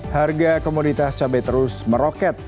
harga komoditas cabai terus meroket